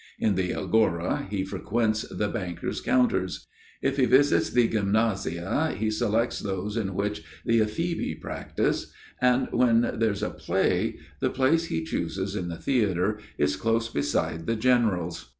In the agora he frequents the banker's counters. If he visits the gymnasia, he selects those in which the ephebi practise; and, when there's a play, the place he chooses in the theatre is close beside the generals.